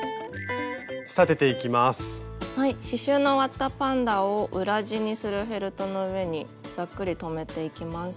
刺しゅうの終わったパンダを裏地にするフェルトの上にざっくり留めていきます。